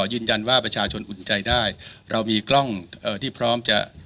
ยืนยันว่าประชาชนอุ่นใจได้เรามีกล้องเอ่อที่พร้อมจะ